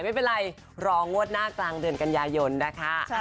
ไม่เป็นไรรองวดหน้ากลางเดือนกันยายนนะคะ